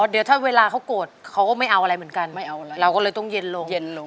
เดี๋ยวถ้าเวลาเขาโกรธเขาก็ไม่เอาอะไรเหมือนกันเราก็เลยต้องเย็นลง